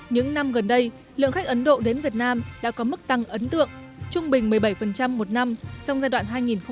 những năm gần đây lượng khách ấn độ đến việt nam đã có mức tăng ấn tượng trung bình một mươi bảy một năm trong giai đoạn hai nghìn một mươi tám hai nghìn hai mươi